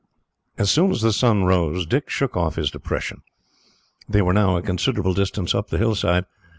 As soon as the sun rose, Dick shook off his depression. They were now a considerable distance up the hillside.